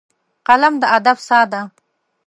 قلم د ادب ساه ده